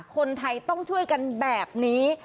คนไทยต้องช่วยกันแบบนี้